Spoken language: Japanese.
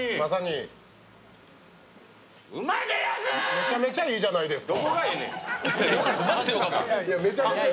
めちゃめちゃいいじゃないですか。